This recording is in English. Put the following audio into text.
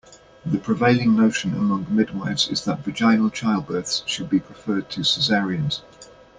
The prevailing notion among midwifes is that vaginal childbirths should be preferred to cesareans.